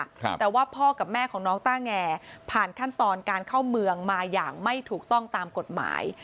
แต่ว่าพ่อกับแม่ของน้องต้าแงผ่านขั้นตอนการเข้าเมืองมาอย่างไม่ถูกต้องตามกฎหมาย